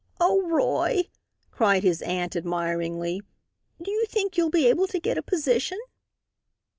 "Oh, Roy!" cried his aunt, admiringly, "do you think you'll be able to get a position?"